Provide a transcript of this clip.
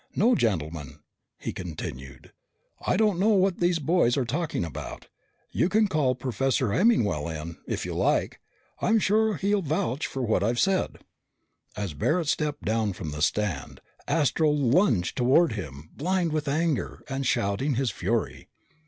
"No, gentlemen," he continued, "I don't know what these boys are talking about. You can call Professor Hemmingwell in, if you like. I'm sure he'll vouch for what I've said." As Barret stepped down from the stand, Astro lunged toward him, blind with anger and shouting his fury.